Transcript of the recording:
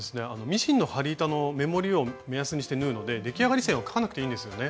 ミシンの針板の目盛りを目安にして縫うので出来上がり線を描かなくていいんですよね。